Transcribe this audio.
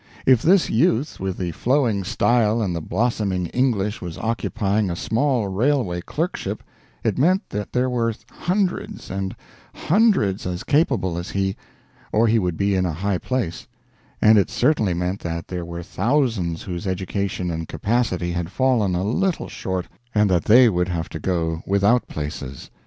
If this youth with the flowing style and the blossoming English was occupying a small railway clerkship, it meant that there were hundreds and hundreds as capable as he, or he would be in a high place; and it certainly meant that there were thousands whose education and capacity had fallen a little short, and that they would have to go without places.